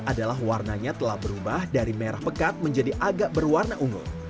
adalah warnanya telah berubah dari merah pekat menjadi agak berwarna ungu